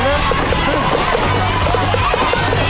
ใช่